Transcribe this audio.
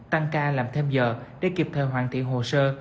tăng ca làm thêm giờ để kịp thời hoàn thiện hồ sơ